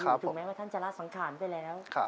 ถูกไหมว่าท่านจรสังขาญไปแล้ว